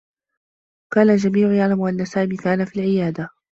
كان الجميع يعلم أنّ سامي كان في العيادة.